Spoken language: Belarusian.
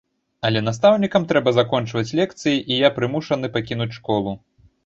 Але настаўнікам трэба закончваць лекцыі, і я прымушаны пакінуць школу.